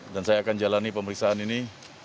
dan saya akan jalani pemeriksaan ini